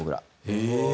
へえ。